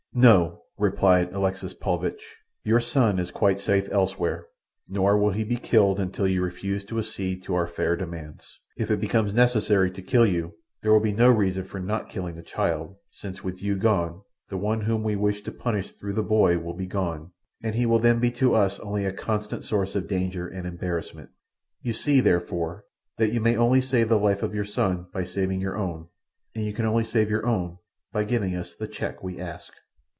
"No," replied Alexis Paulvitch, "your son is quite safe elsewhere; nor will he be killed until you refuse to accede to our fair demands. If it becomes necessary to kill you, there will be no reason for not killing the child, since with you gone the one whom we wish to punish through the boy will be gone, and he will then be to us only a constant source of danger and embarrassment. You see, therefore, that you may only save the life of your son by saving your own, and you can only save your own by giving us the cheque we ask."